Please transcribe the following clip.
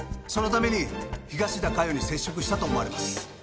そのために東田加代に接触したと思われます。